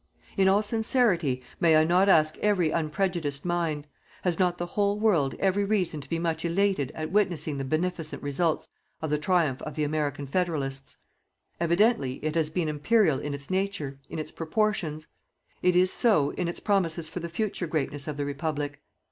In all sincerity, may I not ask every unprejudiced mind: has not the whole World every reason to be much elated at witnessing the beneficent results of the triumph of the American Federalists? Evidently, it has been Imperial in its nature, in its proportions. It is so in its promises for the future greatness of the Republic.